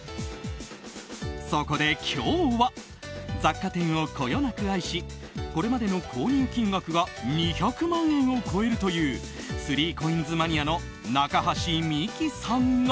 そこで今日は雑貨店をこよなく愛しこれまでの購入金額が２００万円を超えるという３ＣＯＩＮＳマニアの中橋美輝さんが